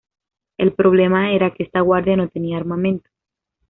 El problema era que esta guardia no tenía armamento.